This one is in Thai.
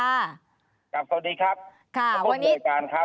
สวัสดีครับทุกคนทุกรายการครับ